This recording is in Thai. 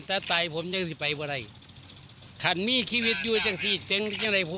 แต่ตายผมอยากให้ไปเพราะอะไร